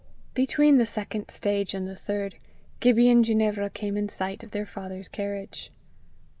Between the second stage and the third, Gibbie and Ginevra came in sight of their father's carriage.